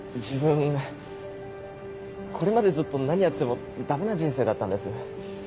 自分これまでずっと何やってもダメな人生だったんです。